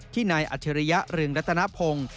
ที่ในอัธิรยะเรืองรัตนภง